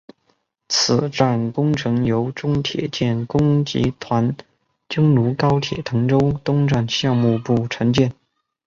此站工程由中铁建工集团京沪高铁滕州东站项目部承建。